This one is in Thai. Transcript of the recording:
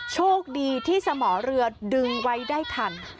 โชคดีที่สมอเรือดึงไว้ได้ทัน